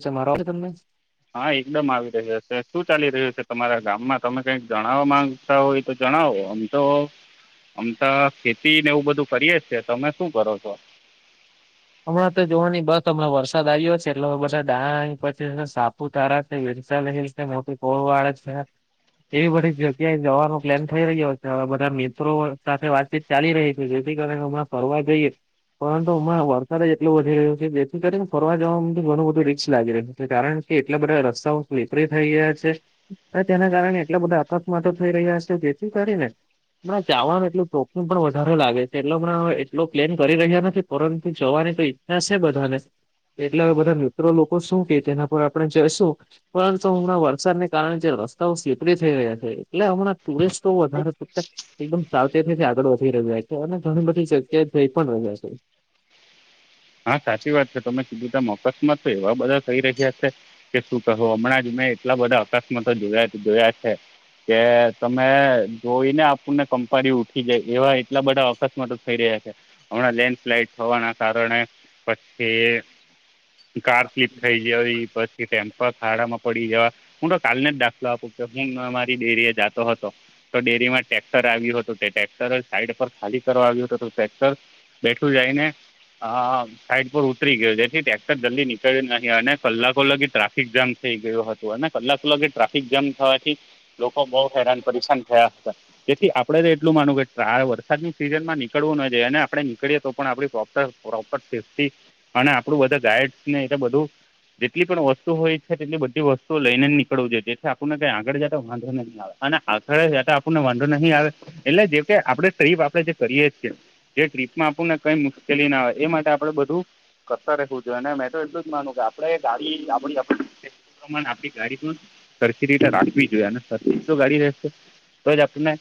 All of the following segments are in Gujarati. છે મારો આવશે તમને. હા એકદમ આવી રહ્યું હ છે શું ચાલી રહ્યું છે તમારા ગામમાં તમે કઈક જણાવવા માંગ. છા હોય તો જણાવો આમ તો. આમ તો ખેતી ને એવું બધું કરીએ છે તમે શું કરો છો. હમણાં તો જોવાની બસ હમણાં વરસાદ આવ્યો છે એટલે બધા ડા પછી સાપુ તારા છે વિરશ હિલ. મોટી કોળ વાળે છે. એવી બધી જગ્યાએ જવાનો પ્લેન થઈ રહ્યો છે હવે બધા મિત્રો સાથે વાતચીત. ચાલી રહી છે જેથી કારણે અમાં ફરવા જઈએ પરંતુ હ વ. એટલું વધી રહ્યું કે જેથી કરીને ફરવા જવાવામાં ઘણું બધું રીસ લાગી રહ્યું છે કારણ કે એટલા બધા રસ્તાઓ વિીપરી થઈ ગયા છે હ તેના કારણે એટલા બધા અકસ્માતો થઈ રહ્યા છે જેથી કરીને મ ચાવાનું એટલું ચોખું પણ વધારે લાગે છે એટલે મનેવે એટલો પ્લેન કરી રહ્યા નથી પરંતુ. જવાની તો ઈચ્છા છે બધાને એટલે બધા મિત્રો લોકો શું કે તેના પર આપણે જઈશું. પરંતુ હમણાં વરસાદને કારણે જે રસ્તાઓ સીપી થઈ રહ્યા છે એટલે હમણાં ટુરિસ્ટ તો વધારે. એકદમ સાવચત થી આગળ વધી રહ્યા તો અને ઘણી બધી જગ્યાએ જઈ પણ રહ્યા છે. હા સાચી વાત છે તમે સીધીધ મોકસ્માત તો એવા બધા થઈ રહ્યા છે. કે શું કવું હમણાં જ મેં એટલા બધા અકસ્માતો જોયા જોયા છે. કે તમે જોઈને આપણને કંપાારી ઉઠી જાય એવા એટલા બધા અકસ્માતો થઈ રહ્યા છે. હમણાં લેન્ડ સ્લાઈડ થવાના કારણે. પછી કાર સ્લીપ થઈ જ બસ. ખાડામાં પડી જવા હું તો કાલ ને જ દાખલો આપું કે હું મારી ડેરી જતો હતો. ડેરીમાં ટ્રેક્ટર આવ્યું હતું તે ટ્રેક્ટર સાઈડ પર ખાલી કરવા આવ્યું હતું તો ટક્ટર. બેઠું જાય ને હા સાઈડ પર ઉતરી ગયયો જેથી ક્ટર જલ્દી નીકળ્યું નહીં અને કલાકો લગી ટ્રાફિક જામ થઈ ગયું હતું અને કલાકલાકે ટ્રાફિક જામ થવાથી લોકો બહુ હેરાન પરેશાન થયા હતા જેથી આપણે તો એટલું માનુંવ કે વરસાદની સિઝનમાં નીકળવું ન જાયએ અને આપણે નીકળીએ તો પણ આપણી પ્રોપ્ટર પ્રોપર સેફ્ટી અને આપડું બધા ગાઈડ ને એટલે બધું જેટલી પણ વસ્તુ હોય છે તેટલી બધી વસ્તુઓ લઈને નીકવ જોઈએ જેથી આપણુંને કઈ આગળ જતા વાંધો અને આખરે આપણને વાંધો નહીિ આવે એટલે જે કે આપણે ટફ આપડે જે કરીએ જે ટ્રીપમાં આપું ને કઈ મુશ્કેલી ના હોય એ માટે આપડે બધું કરતા રખવું જોઈએ અને મેં તો એટલું જ માનું કે આપડે ગાડી આપ માણે આપણી ગાડી પણ સરખી રીતે રાખવી જોઈએ અને સર તો ગાડી રહેશે તોઈ જતમેં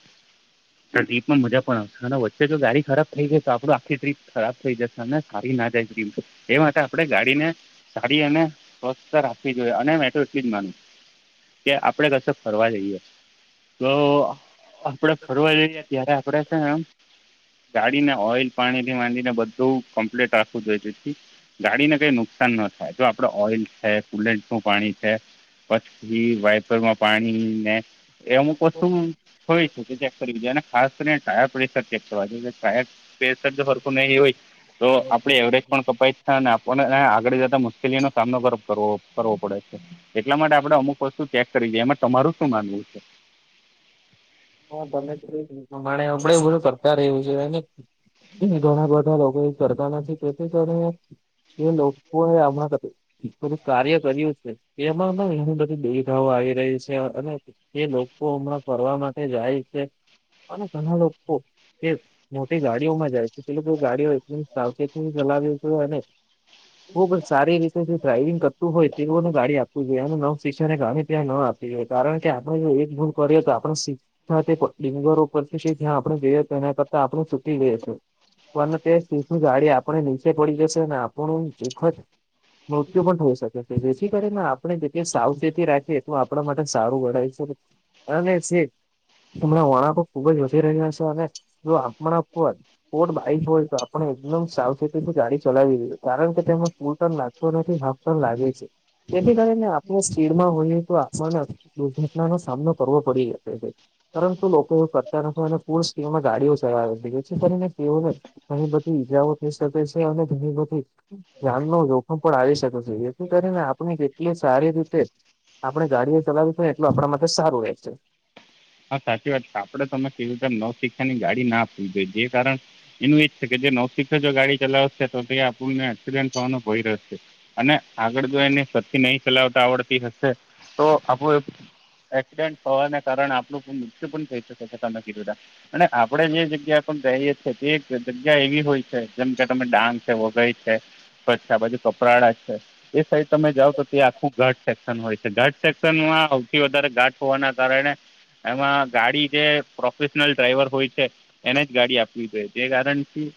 ટ્રીપ માં મજા પણ આવશે અને વચ્ચે જો ગાડી ખરાબ થઈ જાય તો આપડું આખી ટ્રીપ ખરાબ થઈ જશે ને કારી ના જાય એ માટે આપે ગાડીને જાાડીી અને સ્વસ્થ રાખવી જોઈએ અને મેઠો એટલી જ માનું કે આપડે કશ ફરવા જઈએ તો આપડે ફરઆરી ત્યારે આપડે છે ને એમ ગાડીને ઓઈલ પાણી થી માંંધીને બધું કમ્પ્લીટ રાખવું જોઈએ ગાડીને કઈ નુકસાન ન થાય જો આપડે ઓઈલ છે કુલેટ નું પાણી છે પછી વાઈપર માં પાણી ને અમુક વસ્તુ છે. થય શ કે ચેક કરવી જોઈએ ખાસ કરીને ટાયર પ્રેશર ચેક કરવા જોએ ટાયર ેશર ફરકું નહી હોય તો આપડે એવરેજ પણ અને આપણને આગળ જતા મુશ્કેલીઓ નો સામનોવો કરવો પડે છે એટલા માટે આપડણે અમુક વસ્તુ ચેક કરી દઈએ એમાં તમાર શું માનવું છે હા તમે પ્રમાણે અડે બધું કરતા રહવ્યું છે ઘણા બધા લોકો કરતા નથી તેથી કારણે એ લોકો એ હમણાં થોડુંક કાર્ય કર્યું છે એમાં એ બધી દુવિધાઓ આવી રહી છે અને એ લોકો હમણાં ફરવા માટે જાય છે અને ઘણા લોકો એ મોટી ગાડીઓમાં જાય છે એટલે કે ગાડીઓ એકલી સાવચેતી ચલાવ્યો છે અને હ સારી જો ડ્રાાઈવિંગ કરતું હોય તેઓને ગાડી આપવું જોઈએ અને નવ સિષને ગાણી ત્યાં ન આપવી જોઈએ કારણ કે આપણે જો એક ભૂ કરી તો આપણ શીખ ત્યા તે ડિંગુરો ઉપ ત્યાં આપડણે જોઈએ તો એના કરતાં આપણું સુકી લઈશે પણ તે સ ગાડી આપણે નીચે પડી જશે ને આપણ ચી નૃતુ પણ થઈ શકે છે જેથી કરીને આપણે જે સાવચેતી રાખીએ તો આપણા માટે સારું વડાય છે અને સીટ હમણાં વળંકો ખુબ જ વધી રહ્યા છે અને જો આપમ આપવું હો સ્પોર્ટ્સ બાઈક હોય તો આપણે એકદમ સાવચેતી ગાડી ચલાવીએ કારણ કે તેમાં સ્કૂટ ના થી [unintelligible] લાગી છે. તેથી કરીને આપણે સ્પીડમાં હોઈએ તો આપણને દુર્ઘટનાનો સામનો કરવો પડી શકે છે. પરંતુ લોકો એ ફતા ન અને ફૂલ સ્ટીમાં ગાડીઓ ચલાવી કરીને તેને ઘણી બધી ઈજાઓત ની સાથે છે અને ઘણી બધી ધન ન જોખમ પણ આવી શકે છે જેથી કરીને આપણી કેટલી સારી રીતે આપણે ગાડીઓ ચલાવી છે એટલું આપણા માટેથે સારું રહે છે હા સાચી વાત છે આપડે તમે કેવી રતે નવ શિક્ષની ગાડી ના આપવી જોઈએ જે કારણ એનું એ જ છે કે જે નૌસિકખ જો ગાડી ચલાવશે તો તે્યા આપને એક્સિડેન્ટ થવાનું ભય રહેશે અને આગળ જો એને સતથી નહી ચલાવતા આવડતી હશે તો આપું એક્સિડેન્ટ હોવાને કારણે આપણું પણ કહી શકે છે તમે કી દુંધા અને આપડે જે જગ્યા પણ જઈએ છીએ તે જગ્યા એવી હોય છે જેમ કે તમે ડાંગ છે વઘઈ છે છા બાજુ કપરાડા છે એ સાઈડ તમે જાઓ તો તે આખું ઘાટ સેક્શન હોય છે ઘાટ સેક્શનમાં સૌથી વધારે ઘાટ હોવાના કારણે એમાં ગાડી જે પ્રોફેશનલ ડ્રાઈવર હોય છે એને જ ગાડી આપવી જોઈએ તે કારણથી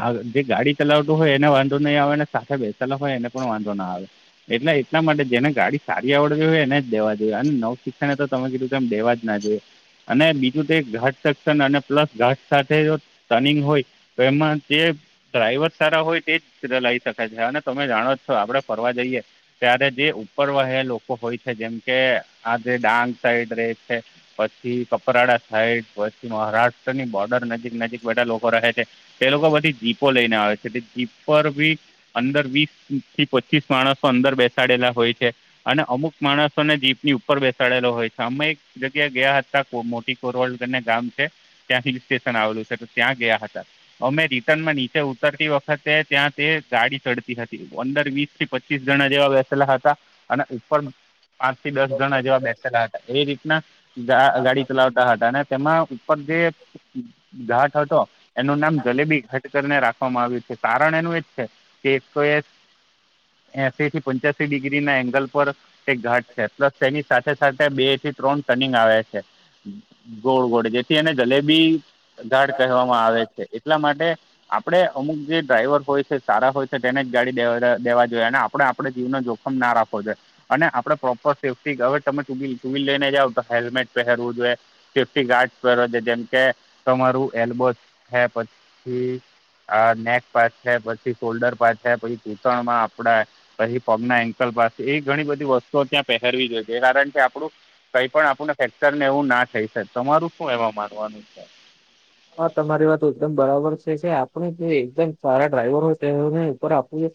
આ જે ગાડી ચલાવતું હોય એને વાંધો નહીં આવે સાથે બેસાલા હોય એને પણ વાંધો ના આવે. એટલે એટલા માટે જેને ગાડી સારી આવડતી હોય એને જ દેવા જોઈએ અને નવ શિક્ષણ એ તો તમે કીધું એકદમ દેવા જ ના જોઈએ. અને બીજું તે ઘાટ સક્શન અને પ્લસ ઘાટ સાથે જો ટનિંગ હોય તો એમાં તે ડ્રાઈવર સારા હોય તે જ લઈ શકે છે અને તમે જાણો જ છો આપડે ફરવા જઈએ. ત્યારે જે ઉપર વહે લોકો હોય છે જેમકે આ જે ડાંગ સાઈડ રે છે. પછી કપરાડા સાઈડ પછી મહારાષ્ટ્રની બોર્ડર નજીક નજીક બધા લોકો રહે છે. તે લોકો બધી જીપો લઈને આવે છે તે જીપ પર બી અંદર વીસથી પચીસ માણસો અંદર બેસાડેલા હોય છે. અને અમુક માણસોને જીપની ઉપર બેસાડેલો હોય સામયિક જગ્યા ગયા હતા મોટી કોરવલ કરીને ગામ છે. ત્યાં હિલ સ્ટેશન આવેલું છે તો ત્યાં ગયા હતા. અમે રિટર્નમાં નીચે ઉતરતી વખતે ત્યાં તે ગાડી ચડતી હતી. પંદર વીસ થી પચીસ જણા જેવા બેસેલા હતા અને ઉપર પાંચથી દસ જણા જેવા બેસેલા હતા એ રીતના ગાડી ચલાવતા હતા ને તેમાં ઉપર જે ઘાટ હતો એનું નામ જલેબી ઘટ કરીને રાખ આવ્યું છે કારણ એનું એ જ છે કે એક તો એ એસી થી પંચ્યાસી ડિગ્રી ના એંગલ પર એક ઘાટ છે પ્લસ તેની સાથે સાથે બે થી ત્રણ ટનિંગ આવે છે ગોળ ગોળ જેથી એને જલેબી ઘાટ કહેવામાં આવે છે એટલા માટે આપણે અમુક જે ડ્રાઈવર હોય છે સારા હોય છે તેને જ ગાડી દેવા જોઈએ અને આપડે આપણે જીવનો જોખ ના રાખો જોઈ અને આપડે પ્રોપર સેફ્ટી હવે તમે તુવીલ લેને જઓ તો હેલ્મેટ પહેરવું જોએ. સેફ્ટી ગાર્ડ પહેર છે જેમ કે તમારું એલ્બો છે પછી આ નેક પાસ છે પછી શોલ્ડર પાસ છે પછી દૂતણમાં આપડે પછી પગના એન્કલ પાસે એ ઘણી બધી વસ્તુઓ ત્યાં પહેરવી જોઈએ કારણ આપડું કઈ પણ આપને ફેકચર ને એવું ના થઈ છે. તમારું શું એવા માનવાનું છે? હા તમારી વાત એકદમ બરાબર છે જે આપણે જે એકદમ સારા ડ્રાઈવર હોય તેને ઉપર આપવું છે.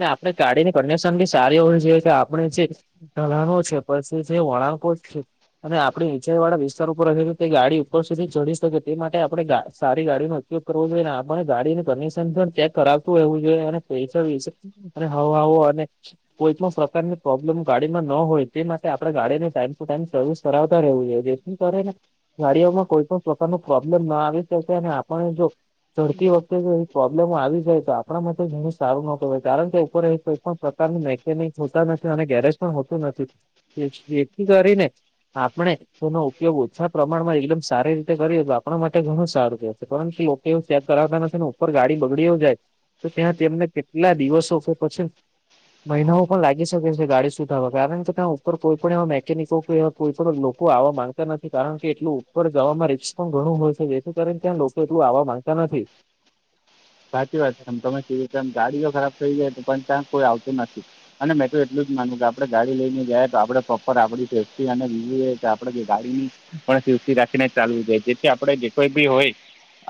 ને આપણે ગાડીની કડિશન બી સારી હોવી જોઈએ કે આપણે જે ધલાનો છે પછી છે વળાંકો જ છે. અને આપણી નીંચાઈ વાળા વિસ્તાર ઉપર રહે તો તે ગાડી ઉપર સુધી ચઢડી શકે તે માટે આપણે સારી ગાડીનો ઉપયોગ કરવો જોઈએ ને આપણે ગાડીની કડીશન પણ ચેક કરાવતું હોવું જોઈએ અને પૈસા અરે [unintelligible] કોઈ પણ પ્રકારની પ્રોબ્લેમ ગાડીમાં ન હોય તે માટે આપણે ગાડીને ટાઈમ ટુ ટાઈમ સર્વિસ કરાવતા રહેવું જોઈએ. કર ને ગાડીઓમાં કોઈ પણ પ્રકાર ન પ્રોબ્લેમ અ ના આવી શકે અને આપણ જો ચડતી વખતે બી પ્રોબ્લેમ આવી જાય તો આપણા માટે ઘણું સારું નોકોવાય કારણ કે ઉપરહી કોઈ પણ પ્રકારનું કે ન હોતા નથી અને ગેરેજ પણ હોતું નથી એથી કરીને આપણે એનો ઉપયોગ ઓછા પ્રમાણમાં એકદમ સારી રીતે કરીએ તો આપ માટે ઘણું સારું કે છે પરંતુ લોકો એવું સેદ કરાવતા નથી ને ઉપર ગાડી બગડીઓ જાય. તો ત્યાં તેમને કેટલા દિવસો પછી મહિનાઓ પણ લાગી શકે છે ગાડી સુધાવા કારણ કે ત્યાં ઉપર કોઈ પણ એવા મેકેનિકો કે એવા કોઈ પણ આવવા માંગતા નથી કારણ કે એટલું ઉપર જવામાં રિકસ ઘણું હોય છે જેથી કારણ ત્યાં લોકો એટલું આવવા માંગતા નથી. સાચી વાત છે. તમે કેવી તેમ ગાડીઓ ખરાબ થઈ જાય તો પણ ત્યાં કોઈ આવતું નથી. અને મેં તો એટલું જ માન કે આપડે ગાડી લઈને જાય તો આપણે પ્રોપર આપ સેફ્ટી અને આપણે ગાડી પણ સતી રાખીને ચાલવું જોઈએ. જેથી આપડે જે કોઈ બી હોય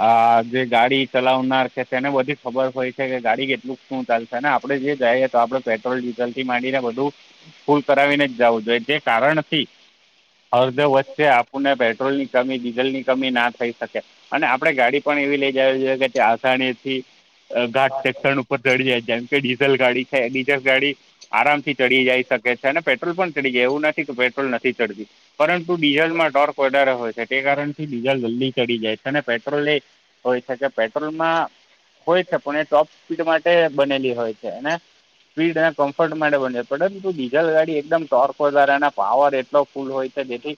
આ જે ગાડી ચલાવના કે તેને બધી ખબર હોય છે કે ગાડી કેટલું શું ચાલશે અને આપડે જે જઈએ તો આપડે પેટ્રોલ ડીઝલ થી માંડીને બધું ફૂલ કરાવીને જ જવું જોઈએ જે કારણ નથી અર્ધો વચ્ચે આપણને પેટ્રોલ ની કમી ડીઝલ ની કમી ના થઈ શકે અને આપડે ગાડી પણ એવી લઇ જવી જોઈએ કે આસાનીથી ઘાટ ઉપર ચડી જાય જેમ કે ડીઝલ ગાડી છે ડીઝલ ગાડી આરામથી ચડી જાય શકે છે અને પેટ્રોલ પણ ચડી જાય એવું નથી કે પેટ્રોલ નથી ચડતું પરંતુ ડીઝલમાં ટોક વધારે હોય છે તે કારણથી ડીઝલ જલ્દી ચડી જાય છે અને પેટ્રોલે હોય શકે પેટ્રોલ માં હોય છે પણ એ ટોપ સ્પીડ માટે બનેલી હોય છે અને સ્પીડ અને કમ્ફર્ટ માટે બને પરંતુ ડીઝલ ગાડી એકદમ ટોર્કો વધાર એ પાવર એટલો ફૂલ હોય તો જેથી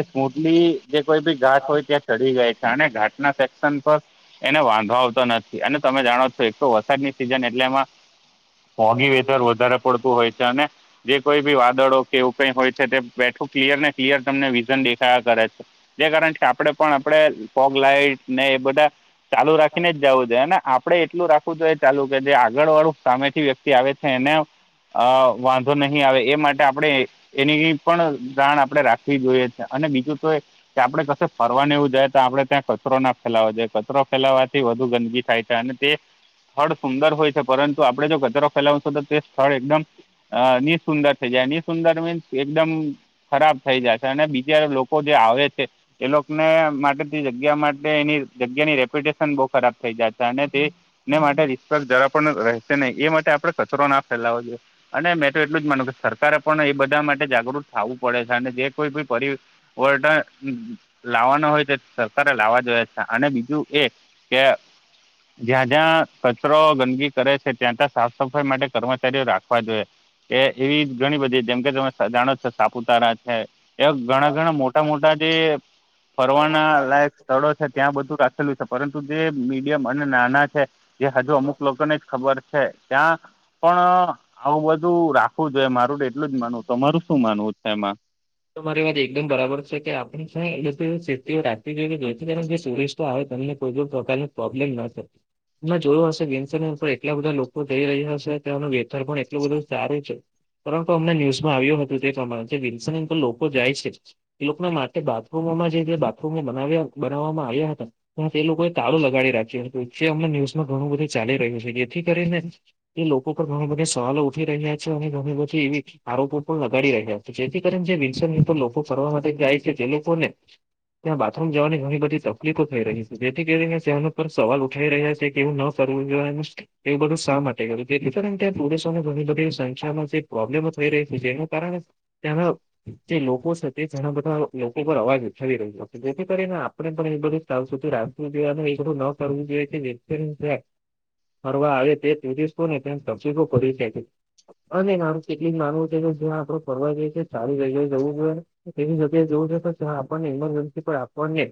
એ સ્મૂથલી જે કોઈ બી ઘાટ હોય ત્યાં ચડી જાય છે અને ઘાટ ના સેક્શન પર એને વાંધો આવતો નથી અને તમે જાણો છો એક તો વરસાદ ની સિઝન એટલે એમાં મોંઘી વેધર વધારે પડતું હોય છે અને જે કોઈ બી વાદળો કે એવું કઈ હોય છે તે બેઠું ક્લિયર ને ક્લિયર તમને વિઝન દેખાયા કરે છે જે કારણ કે આપડે પણ આપણેે ફ્રન્ટ લાઇટ ને એ બધા ચાલુ રાખીને જ જવું જોઈએ આપડે એટલું રાખવું જોઈએ ચાલુ કે જે આગળ વાળું સામેથી વ્યક્તિ આવે છે એને એને વાંધો નહીં આવે એ માટે આપણે એની પણ જાણ આપણે રાખવી જોઈએ છે અને બીજું તો એ કે આપડે કશે ફરવા એવું જાય તો આપણે ત્યાં કચરો ના ફેલાવો જોઈએ કચરો ફેલાવાથી વધુ ગંદકી થાય છે અને તે સ્થળ સુંદર હોય છે પરંતુ આપણે જો કચરો ફેલાવશું તો તે સ્થળ એકદમ હ નિ સુંદર થઇ જાય નિ સુંદર મીન્સ એકદમ ખરાબ થઈ જાય છે અને બીજા લોકો જે આવે છે એ લોકોને માટે થી જગ્યા માટે એની જગ્યાની રેપ્યુટેશન બહું ખરાબ થઇ જાય છે તેને માટે જરા પણ રહેશે નને એ માટે આપડે કચરો ના ફેલાવો જોઈએ અને મેં તો એટલું જ માનું કે સરકારે પણ એ બધા માટે જાગૃત થવું પડે છે અને જે કોઈએ પણ ઓલ ટાઇમ લાવવાના હોય તે સરકારે લાવવા જોયા છે અને બીજું એ કે જ્યાં જ્યાં કચરો ગંદકી કરે છે ત્યાં ત્યાં સાફ સફાઈ માટે કર્મચારીઓ રાખવા જોઈએ એ એવી ઘણી બધી જેમ કે તમે જાણો છો સાપુતારા છે એ ઘણા ઘણા મોટા મોટા જે ફરવાના લાયક સ્થળો છે ત્યાં બધું રાખેલું છે પરંતુ જે મીડિયમ અને નાના છે જે હજુ અમુક લોકોને જ ખબર છે ત્યાં પણ આવું બધું રાખવું જોઈએ મારું તો એટલું જ માનવું તમારું શું માનવું છે એમાં તો મારી વાત એકદમ બરાબર છે કે આપણે સ્થિઓ રાખવી જોઈએ કે જોઈ જે સુરક્ષિત તો હવે તમને કોઈ પ્રકાર ન પ્રોબ્લેમ ન થતી જોયું હશે ગેન્સ પણ એટલા બધા લોકો જઈ રહ્યા હશે તનું વેધર પણ એટલું બધું સારું છે પરંતુ અમને ન્યુઝમાં આવ્યું હતું તે પ્રમાણે વિલ્સન હિલ તો લોકો જાય છે એ લોકોને માટે બાથરૂમમાં જે બાથરૂમ બનાવ્યા બનાવવામાં આવ્યા હતા પણ તે લોકોએ તારો લગાડી રાખ્યોચ અમ ન્યૂઝમાં ઘણું બધું ચાલી રહ્યું છે જેથી કરીને એ લોકો પર ઘણા બધા સવાલો ઉઠી રહ્યા છે અને ઘણી બધી એવી આરોપો પણ લગાડી રહ્યા જેથી કરીને જે વિલ્સન હિલ પર લોકો ફરવા માટે જાય છે તે લોકો ને ત્યાં બાથરૂમ જવાની ઘણી બધી તકલીફો થઈ રહી છે જેથી સહેનો પર સવાલ ઉઠાઈ રહ્યા છે કે એવું ન કરવું જો એવુ બધું શા માટે કરુંથી કે ટૂરિસ્ટો ની ઘણી બધી સંખ્યામાં જે પ્રોબ્લેમો થઈ રહી છે જેના કારણે ત્યાના જે લોકો છે તે ઘણા બધા લોકો પર અવાજ ઉઠાવી રહ્યો જેથી કરીને આપણે પણ એ બધું સાફ સુથરી રાખવું જોવાનું એકડું ન કરવું જોઈએ ફરવા આવે તે તેજીસ તો ને તકસીફો કરીરી છે અને મારું કેટલીક જ માનવું છે કે જ્યાં આ આપડો ફરવા જઈ છે સારી જગ્યાએ જવું જોઈએ એવી જગ્યાએ જવું છે આપણને ઇમરજન્સી પણ આપણને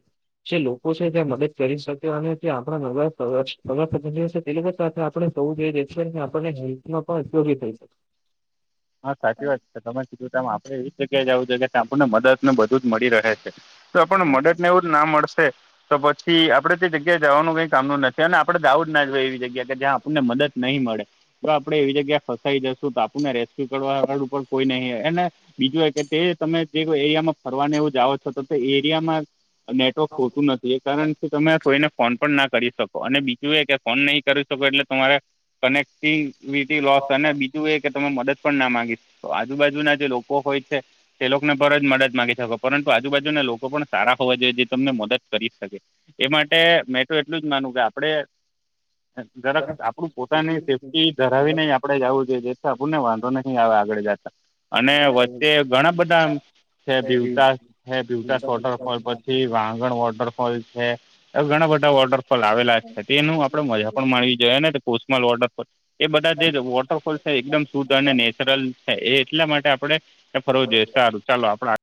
જે લોકો છે ત્યાં મદદ કરી શકે અને જે આપણા [unintelligible] પ્રતિ છે તે લોકો સાથે આપણે થવું જોઈએ જેથી કરીને આપણને હેલ્થમાં પણ ઉપયોગી થઈ શકે. હ હા સાચી વાત છે તમે કીધું તેમ આપડે એવી જગ્યાએ જવું છે કે ત્યાં આપણને મદદ ને બધું જ મળી રહે છે. તો આપણ મદદ ને એવું જ ના મળશે તો પછી આપડે તે જગ્યાએ જવાનું કઈ કામનું નથી અને આપણે જાઉંજ ના જોયે એવી જગ્યા કે જ્યાં આપણને મદદ નહીં મળે. તો આપડે એવી જગ્યા ફસાઈ જશું તો આપણને રેસ્ક્યુ કરવાળા [unintelligible] કોઈ નહી એને બીજું એ કે તે તમે જે કોઈ એરિયામાં ફરવા એવું જાઓ છો તો એરિયામાં નેટવર્ક હોતું નથી. એ કારણથી તમે કોઈને ફોન પણ ના કરી શકો અને બીજું એ કે ફોન નહી કરી શકો એટલે તમારે કનેક્ટિવિટી લોસ અને બીજું એ કે તમે મદદ પણ ના માંગી શકો આજુબાજુના જે લોકો હોય છે તે લોકોને પર જ મદદ માંગી શકો પરંતુ આજુબાજુના લોકો પણ સારા હોવા જોઈએ જે તમને મદદ કરી શકે. એ માટે મેં તો એટલું જ માનું કે આપડે જરાક આપડું પોતાની સેફ્ટી ધરાવીને આપડે જવું જોઈએ જે આપૂને વાંધો નહીં આવે આગળ જતા અને વચ્ચે ઘણા બધા છે બીવતાાસ બીવતાાસ વોટરફોલ પછી વાંગણ વોટરફો લ છે ઘણા બધા વોટર ફોલ આવેલા છે તે એનું આપડે મજા પણ માણવી જોઈએ ને કોસમાલ વોટરફોલ એ બધા જે વોટરફોલ છે એકદમ શુદ્ધ અને નેચરલ છે એ એટલા માટે આપણે એ ફરવો જોઈએ સારું ચાલો આપણા